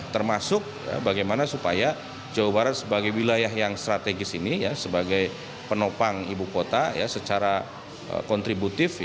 termasuk bagaimana supaya jawa barat sebagai wilayah yang strategis ini sebagai penopang ibu kota secara kontributif